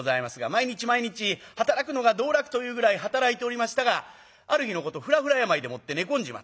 毎日毎日働くのが道楽というぐらい働いておりましたがある日のことふらふら病でもって寝込んじまった。